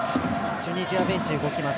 チュニジアベンチ、動きます。